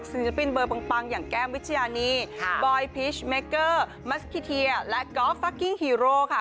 ศิลปินเบอร์ปังอย่างแก้มวิทยานีบอยพีชเมเกอร์มัสคิเทียและกอล์ฟฟักกิ้งฮีโร่ค่ะ